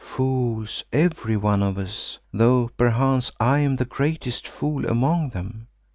Fools, every one of us, though perchance I am the greatest fool among them.